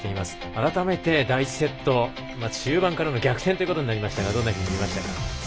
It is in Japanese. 改めて、第１セットは中盤からの逆転となりましたがどんなふうに見ましたか。